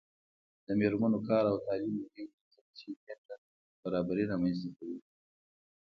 د میرمنو کار او تعلیم مهم دی ځکه چې جنډر برابري رامنځته کوي.